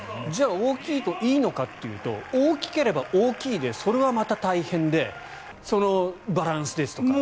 大きいといいのかというと大きければ大きいでそれはそれで大変でバランス、体幹ですとか。